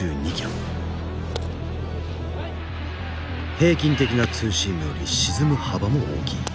平均的なツーシームより沈む幅も大きい。